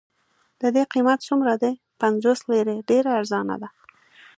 د دې قیمت څومره دی؟ پنځوس لیرې، ډېره ارزانه ده.